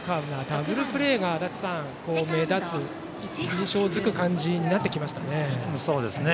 ダブルプレーが目立つ印象づく感じになってきましたね。